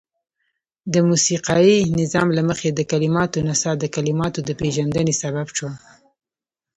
د موسيقايي نظام له مخې د کليماتو نڅاه د کليماتو د پيژندني سبب شوه.